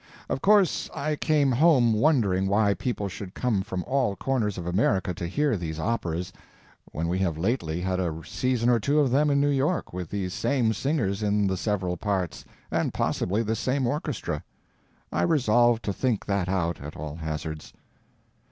Of course I came home wondering why people should come from all corners of America to hear these operas, when we have lately had a season or two of them in New York with these same singers in the several parts, and possibly this same orchestra. I resolved to think that out at all hazards.